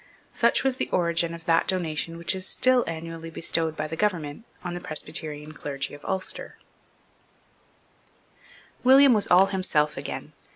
Such was the origin of that donation which is still annually bestowed by the government on the Presbyterian clergy of Ulster, William was all himself again.